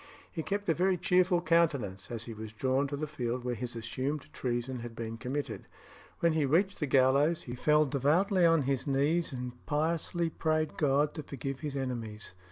He kept a very cheerful countenance as he was drawn to the field where his assumed treason had been committed. When he reached the gallows, he fell devoutly on his knees and piously prayed God to forgive his enemies.